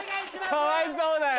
かわいそうだよ！